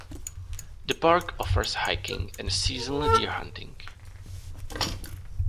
The park offers hiking and seasonal deer hunting.